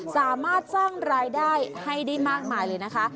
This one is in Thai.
สามารถสร้างรายได้ให้ได้มากมายเลยนะคะ